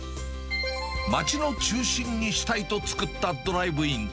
町の中心にしたいと作ったドライブイン。